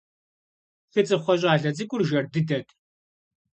ЧыцӀыхъуэ щӀалэ цӀыкӀур жэр дыдэт.